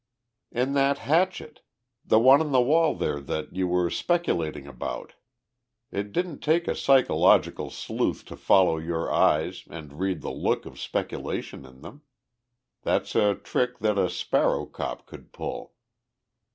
"In that hatchet the one on the wall there that you were speculating about. It didn't take a psychological sleuth to follow your eyes and read the look of speculation in them. That's a trick that a 'sparrow cop' could pull!"